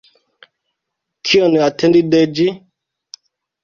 Kion atendi de ĝi?